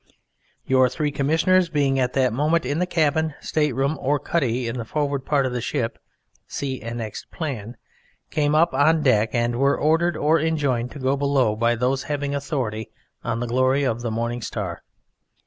Your three Commissioners being at that moment in the cabin, state room or cuddy in the forward part of the ship (see annexed plan), came up on deck and were ordered or enjoined to go below by those having authority on the "Glory of the Morning Star."